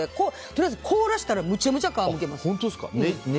とりあえず凍らせたらめちゃめちゃ皮むけます。